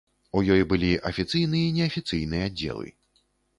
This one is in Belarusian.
У ёй былі афіцыйны і неафіцыйны аддзелы.